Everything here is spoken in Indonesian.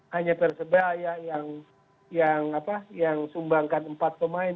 hanya persebaya yang sumbangkan empat pemain